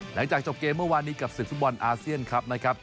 หลังจากจบเกมเมื่อวานนี้กับศึกฟุตบอลอาเซียนครับนะครับ